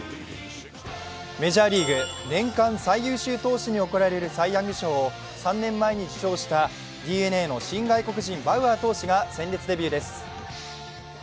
メジャーリーグ、年間最優秀投手に贈られるサイ・ヤング賞を３年前に受賞したＤｅＮＡの外国人、バウアー投手が鮮烈デビューです。